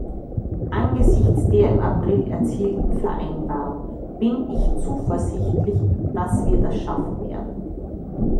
Angesichts der im April erzielten Vereinbarung bin ich zuversichtlich, dass wir das schaffen werden.